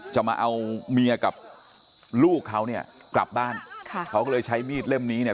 จะมาเอาเมียกับลูกเขาเนี่ยกลับบ้านค่ะเขาก็เลยใช้มีดเล่มนี้เนี่ย